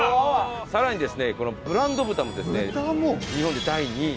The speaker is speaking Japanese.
更にですねブランド豚もですね日本で第２位。